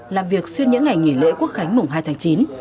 làm việc xuyên những ngày nghỉ lễ quốc khánh mùng hai tháng chín